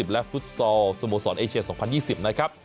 และฟุตซอลสโมสรเอเชีย๒๐๒๐นะครับ